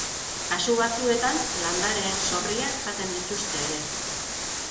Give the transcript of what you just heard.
Kasu batzuetan, landareen zorriak jaten dituzte ere.